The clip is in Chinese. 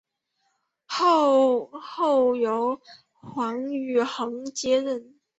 后由黄玉衡接任。